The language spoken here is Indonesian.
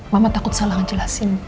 mama takut salah ngejelasin